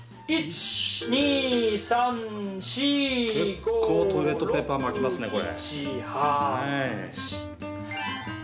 結構トイレットペーパー巻きますねこれ。